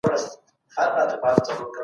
د خلګو حقونه باید خوندي پاته سي.